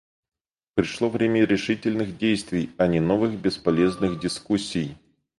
Пришло время решительных действий, а не новых бесполезных дискуссий.